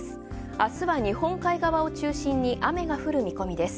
明日は日本海側を中心に雨が降る見込みです。